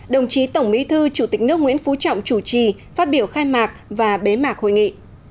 đồng chí tổng bí thư chủ tịch nước nguyễn phú trọng chủ trì phát biểu khai mạc và bế mạc hội nghị